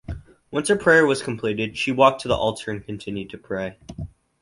Once Her prayer was completed, She walked to the altar and continued to pray.